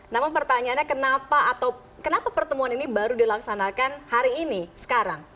namun pertanyaannya kenapa atau kenapa pertemuan ini baru dilaksanakan hari ini sekarang